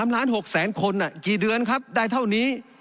๓๖ล้านคนกี่เดือนคับได้เท่านี้